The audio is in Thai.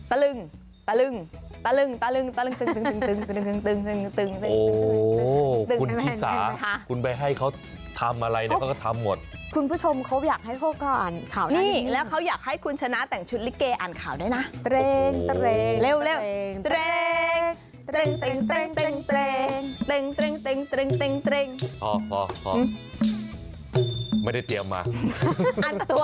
ตะลึงตะลึงตะลึงตะลึงตึงตึงตึงตึงตึงตึงตึงตึงตึงตึงตึงตึงตึงตึงตึงตึงตึงตึงตึงตึงตึงตึงตึงตึงตึงตึงตึงตึงตึงตึงตึงตึงตึงตึงตึงตึงตึงตึงตึงตึงตึงตึงตึงตึงตึงตึงตึงตึงตึงต